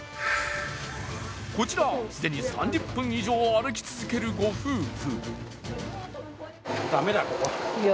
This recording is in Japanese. こちら、既に３０分以上歩き続けるご夫婦。